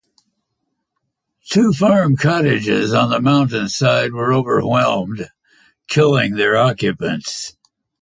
Two farm cottages on the mountainside were overwhelmed, killing their occupants.